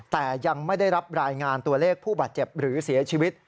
แต่ยังไม่ได้รับรายงานตัวเลขผู้บาดเจ็บหรือเสียชีวิต